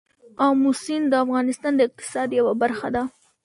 آمو سیند د افغانستان د اقتصاد یوه برخه ده.